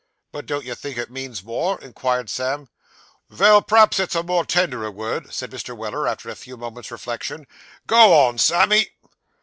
'But don't you think it means more?' inquired Sam. 'Vell p'raps it's a more tenderer word,' said Mr. Weller, after a few moments' reflection. 'Go on, Sammy.